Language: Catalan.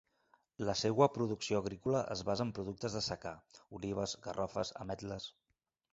La seua producció agrícola es basa en productes de secà: olives, garrofes, ametles.